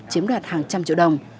chiếm đoạt hàng trăm triệu đồng